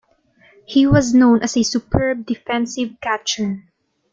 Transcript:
He was known as a superb defensive catcher.